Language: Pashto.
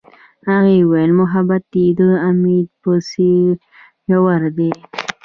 هغې وویل محبت یې د امید په څېر ژور دی.